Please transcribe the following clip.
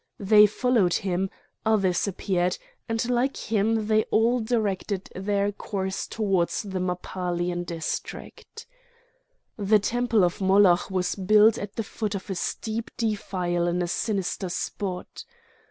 They followed him, others appeared, and like him they all directed their course towards the Mappalian district. The temple of Moloch was built at the foot of a steep defile in a sinister spot.